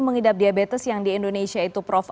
mengidap diabetes yang di indonesia itu prof